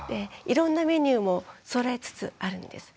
いろんなメニューもそろえつつあるんです。